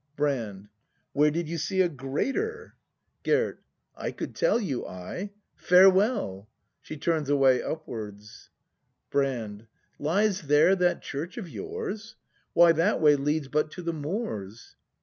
Brand. Where did you see A greater ? 52 BRAND [act i Gerd. I could tell you, I. Farewell. [She turns away upwards. Brand. Lies there that church of yours ? Why, that way leads but to the moors.